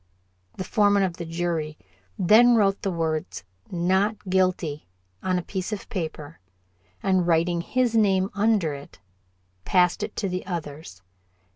The foreman of the jury then wrote the words, "Not guilty" on a piece of paper, and writing his name under it, passed it to the others.